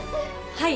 はい。